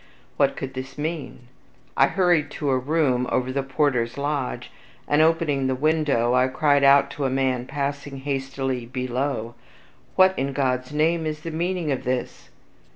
What could this mean? I hurried to a room over the porter's lodge, and, opening the window, I cried out to a man passing hastily below, "What, in God's name, is the meaning of this?"